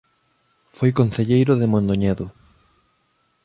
Foi concelleiro de Mondoñedo.